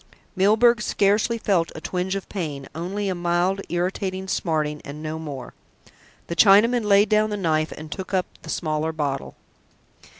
Milburgh scarcely felt a twinge of pain, only a mild irritating smarting and no more. The Chinaman laid down the knife and took up the smaller bottle.